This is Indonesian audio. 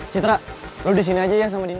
citra lo disini aja ya sama dinda